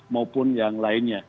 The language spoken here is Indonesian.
maupun yang lainnya